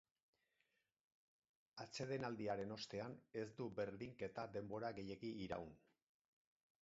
Atsedelandiaren ostean, ez du berdinketa denbora gehegi iraun.